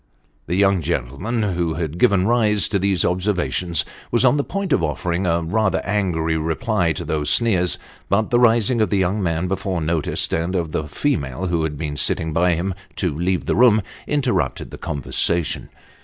The young gentleman, who had given rise to these observations, was on the point of offering a rather angry reply to these sneers, but the rising of the young man before noticed, and of the female who had been sitting by him, to leave the room, interrupted the conversa tion.